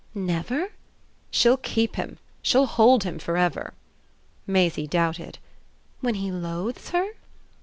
"Never?" "She'll keep him. She'll hold him for ever." Maisie doubted. "When he 'loathes' her?"